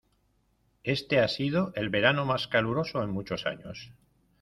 Este ha sido el verano más caluroso en muchos años.